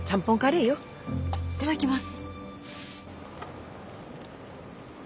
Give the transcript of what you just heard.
いただきます。